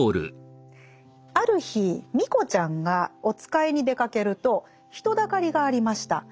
「或る日ミコちゃんがおつかいに出掛けると人だかりがありました。